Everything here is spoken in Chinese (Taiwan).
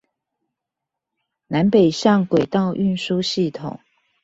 南北向軌道運輸系統